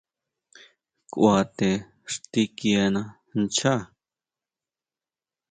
Kʼua te xtikiena nchaá.